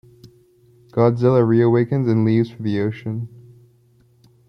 Godzilla reawakens and leaves for the ocean.